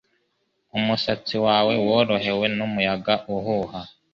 Umusatsi wawe worohewe n'umuyaga uhuha;